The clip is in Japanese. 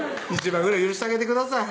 １枚ぐらい許してあげてください